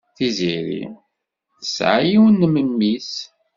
Tiziri tesɛa yiwen n memmi-s.